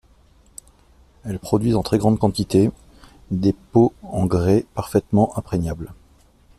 Ils produisent en très grandes quantités des pots en grès parfaitement imperméables.